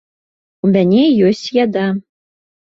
У мяне ёсць яда.